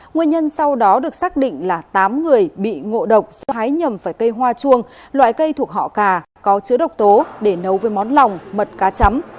nguyên nhân sau đó được xác định là tám người bị ngộ độc hái nhầm phải cây hoa chuông loại cây thuộc họ cà có chứa độc tố để nấu với món lòng mật cá chấm